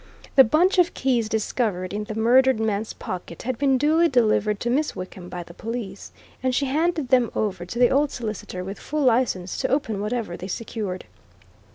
The bunch of keys discovered in the murdered man's pocket had been duly delivered to Miss Wickham by the police, and she handed them over to the old solicitor with full license to open whatever they secured.